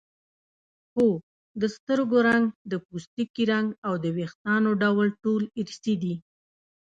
هو د سترګو رنګ د پوستکي رنګ او د وېښتانو ډول ټول ارثي دي